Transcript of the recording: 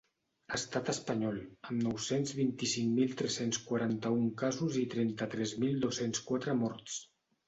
Estat espanyol, amb nou-cents vint-i-cinc mil tres-cents quaranta-un casos i trenta-tres mil dos-cents quatre morts.